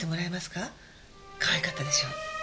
かわいかったでしょ？